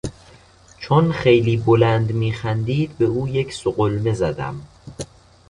چون خیلی بلند میخندید به او یک سقلمه زدم.